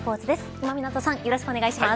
今湊さんよろしくお願いします。